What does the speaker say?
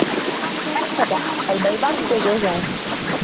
من سبق البيضة أم الدجاجة؟